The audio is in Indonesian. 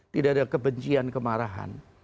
tidak ada kebencian kemarahan